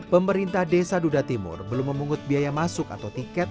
pemerintah desa duda timur belum memungut biaya masuk atau tiket